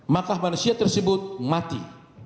maka manusia tersebut mati